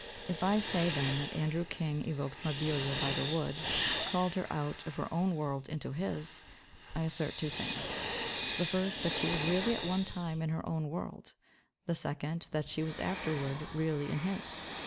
If I say, then, that Andrew King evoked Mabilla By the Wood, called her out of her own world into his, I assert two things: the first, that she was really at one time in her own world, the second, that she was afterward really in his.